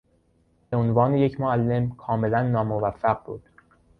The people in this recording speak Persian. به عنوان یک معلم کاملا ناموفق بود.